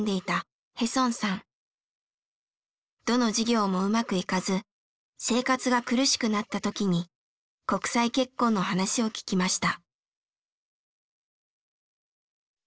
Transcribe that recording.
どの事業もうまくいかず生活が苦しくなった時に国際結婚の話を聞きました。